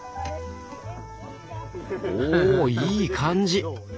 おおいい感じ。